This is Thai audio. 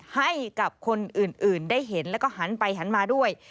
ให้กับคนอื่นได้เห็นแล้วก็หันไปหันมาด้วย